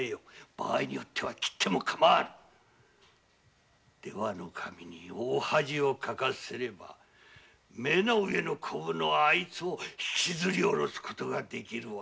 場合によっては切ってもよい出羽守に大恥をかかせれば目の上のコブのあいつをひきずり降ろす事ができるわ。